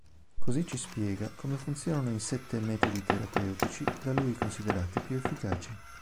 Così ci spiega come funzionano i sette metodi terapeutici da lui considerati più efficaci.